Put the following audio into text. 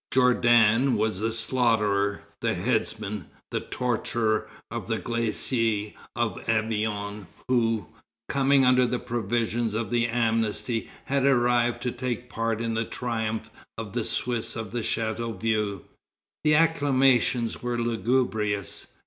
Jourdan was the slaughterer, the headsman, the torturer of the Glacier of Avignon, who, coming under the provisions of the amnesty, had arrived to take part in the triumph of the Swiss of Chateauvieux. The acclamations were lugubrious.